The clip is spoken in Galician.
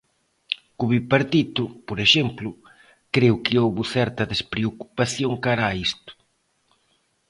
Co bipartito, por exemplo, creo que houbo certa despreocupación cara a isto.